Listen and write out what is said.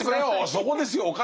そこですよお金。